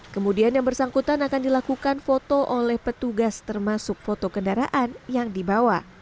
kemudian yang bersangkutan akan dilakukan foto oleh petugas termasuk foto kendaraan yang dibawa